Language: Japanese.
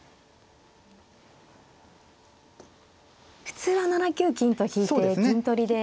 普通は７九金と引いて銀取りで。